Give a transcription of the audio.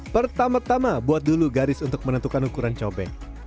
pertama tama buat dulu garis untuk menentukan ukuran cobek